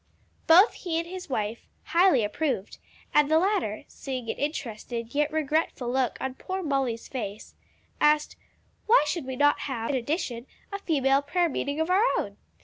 Both he and his wife highly approved, and the latter, seeing an interested yet regretful look on poor Molly's face, asked, "Why should we not have, in addition, a female prayer meeting of our own?